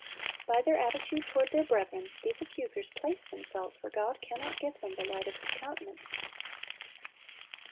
By their attitude toward their brethren, these accusers place themselves where God can not give them the light of His countenance.